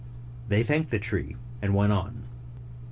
They thanked the tree, and went on.